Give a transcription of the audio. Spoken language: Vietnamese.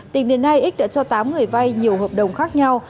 tính đến nay x đã cho tám người vay nhiều hợp đồng khác nhau